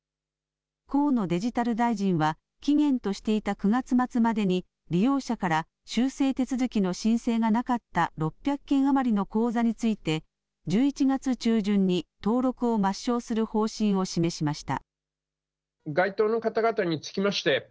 河野デジタル大臣は期限としていた９月末までに利用者から修正手続きの申請がなかった６００件余りの口座について１１月中旬に登録を抹消する方針を示しました。